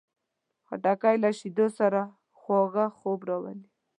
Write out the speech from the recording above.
خټکی له شیدو سره خواږه خوب راولي.